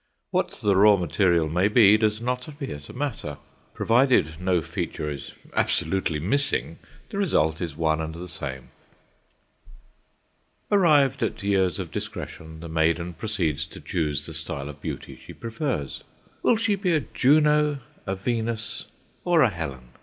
What the raw material may be does not appear to matter. Provided no feature is absolutely missing, the result is one and the same. Arrived at years of discretion, the maiden proceeds to choose the style of beauty she prefers. Will she be a Juno, a Venus, or a Helen?